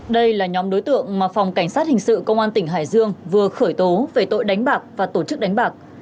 đây là nhóm đối tượng mà phòng cảnh sát hình sự công an tỉnh hải dương vừa khởi tố về tội đánh bạc và tổ chức đánh bạc